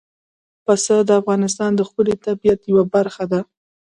پسه د افغانستان د ښکلي طبیعت یوه برخه ده.